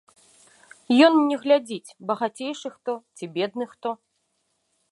Ён не глядзіць, багацейшы хто ці бедны хто.